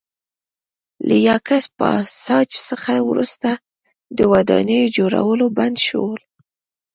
له یاکس پاساج څخه وروسته د ودانیو جوړول بند شول